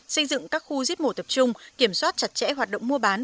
xây dựng các khu giết mổ tập trung kiểm soát chặt chẽ hoạt động mua bán